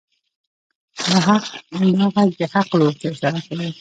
دا غږ د حق لور ته اشاره کوي.